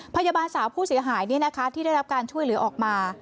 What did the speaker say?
พยาบาลสาวผู้เสียหายที่ได้รับการช่วยเหลือออกมา